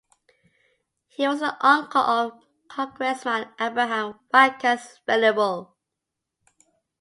He was the uncle of congressman Abraham Watkins Venable.